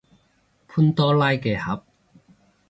潘多拉嘅盒